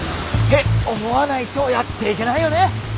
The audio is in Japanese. って思わないとやっていけないよね！